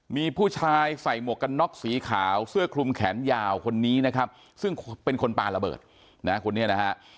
มีผู้ชายใส่หมวกกันน็อกสีขาวเสื้อคลุมแขนยาวคนนี้นะครับซึ่งเป็นคนปลาระเบิดนะคนนี้นะฮะ